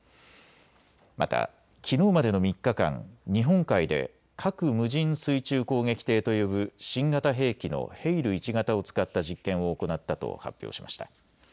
また、きのうまでの３日間、日本海で核無人水中攻撃艇と呼ぶ新型兵器のヘイル１型を使った実験を行ったと発表しました。